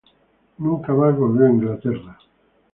Nunca más volvió a Inglaterra.